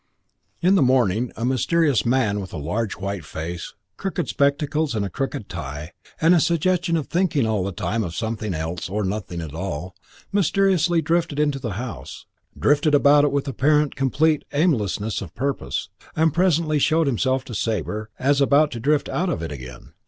V In the morning a mysterious man with a large white face, crooked spectacles and a crooked tie, and a suggestion of thinking all the time of something else, or of nothing at all, mysteriously drifted into the house, drifted about it with apparent complete aimlessness of purpose, and presently showed himself to Sabre as about to drift out of it again.